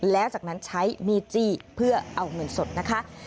แล้วจากนั้นใช้มีดจี้เพื่อเอาเงินสดนะคะ